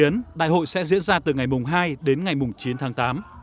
ngay đến ngày chín tháng tám